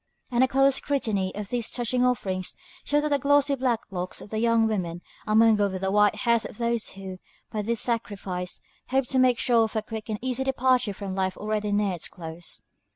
And a close scrutiny of these touching offerings shows that the glossy black locks of the young women are mingled with the white hairs of those who, by this sacrifice, hope to make sure of a quick and easy departure from a life already near its close.